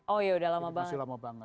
oh iya udah lama banget